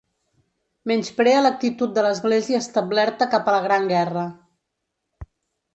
Menysprea l'actitud de l'església establerta cap a la Gran Guerra.